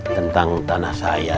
tentang tanah saya